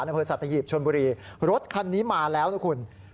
อำเภอสัตหีบชนบุรีรถคันนี้มาแล้วนะคุณ